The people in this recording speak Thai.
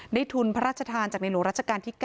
ทุนพระราชทานจากในหลวงราชการที่๙